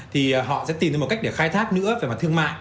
thì họ sẽ tìm ra một cách để khai thác nữa về mặt thương mại